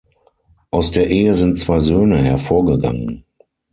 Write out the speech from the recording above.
Aus der Ehe sind zwei Söhne hervorgegangen.